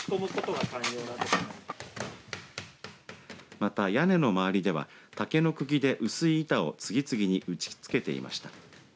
また、屋根の周りでは竹のくぎで薄い板を次々に打ち付けていました。